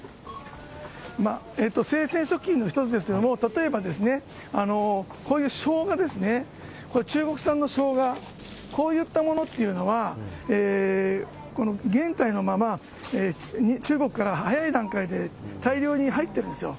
生鮮食品の一つですけれども、例えばですね、こういうしょうがですね、中国産のしょうが、こういったものっていうのは、原体のまま、中国から早い段階で大量に入ってるんですよ。